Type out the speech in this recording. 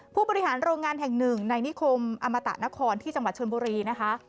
ผู้บริหารโรงงานแห่งหนึ่งในนิคมอมตะนครที่จังหวัดชนบุรีนะคะ